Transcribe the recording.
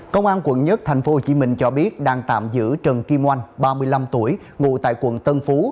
công an quận một tp hcm cho biết đang tạm giữ trần kim oanh ba mươi năm tuổi ngụ tại quận tân phú